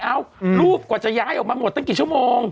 รูปกว่าจะย้ายออกมาหมดตั้งกี่ชั่วโมง